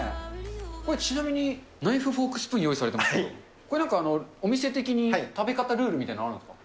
これ、ちなみにナイフ、フォーク、スプーンを用意されていますが、これ、なんかお店的に食べ方ルールみたいなのありますか。